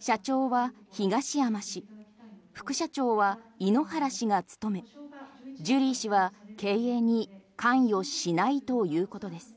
社長は東山氏副社長は井ノ原氏が務めジュリー氏は経営に関与しないということです。